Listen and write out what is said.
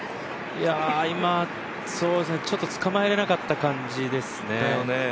今、ちょっとつかまえられなかった感じですね。